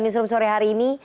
sebelum sore hari ini